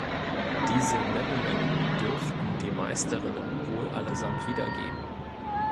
Diese Nennungen dürften die Meisterinnen wohl allesamt wiedergeben.